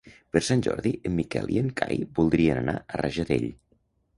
Per Sant Jordi en Miquel i en Cai voldrien anar a Rajadell.